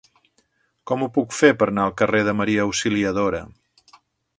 Com ho puc fer per anar al carrer de Maria Auxiliadora?